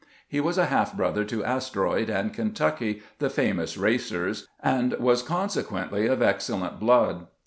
He was a half brother to " Asteroid " and " Kentucky," the famous racers, and was consequently of excellent blood.